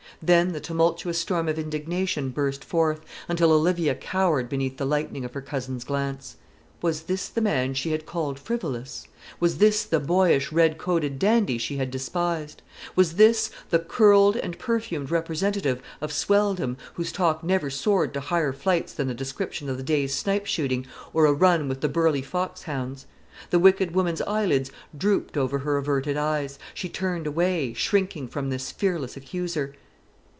Then the tumultuous storm of indignation burst forth, until Olivia cowered beneath the lightning of her cousin's glance. Was this the man she had called frivolous? Was this the boyish red coated dandy she had despised? Was this the curled and perfumed representative of swelldom, whose talk never soared to higher flights than the description of a day's snipe shooting, or a run with the Burleigh fox hounds? The wicked woman's eyelids drooped over her averted eyes; she turned away, shrinking from this fearless accuser.